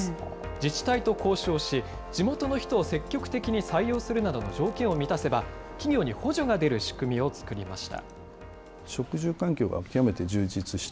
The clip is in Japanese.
自治体と交渉し、地元の人を積極的に採用するなどの条件を満たせば、企業に補助が出る仕組みを作りました。